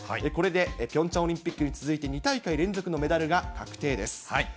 これでピョンチャンオリンピックに続いて２大会連続のメダルが確定です。